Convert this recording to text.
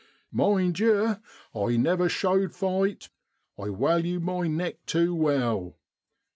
Mind yer, I never showed fight, I walue my neck tew well.